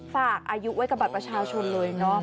ฝากอายุไว้กับบัตรประชาชนเลยเนาะ